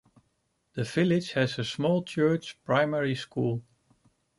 The village has a small church primary school.